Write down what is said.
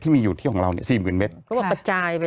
ที่มีอยู่ที่ของเรานี่๔๐๐๐๐เมตร